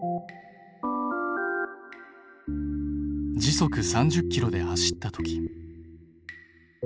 時速３０ｋｍで走った時。